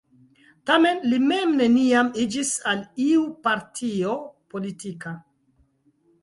Tamen li mem neniam iĝis al iu partio politika.